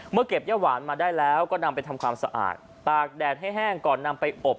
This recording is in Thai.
เก็บย่าหวานมาได้แล้วก็นำไปทำความสะอาดตากแดดให้แห้งก่อนนำไปอบ